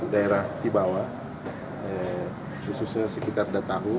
daerah di bawah khususnya sekitar datahu